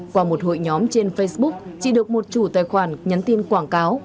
qua một hội nhóm trên facebook chỉ được một chủ tài khoản nhắn tin quảng cáo